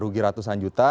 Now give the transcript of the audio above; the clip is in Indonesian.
rugi ratusan juta